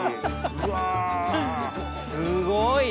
すごい！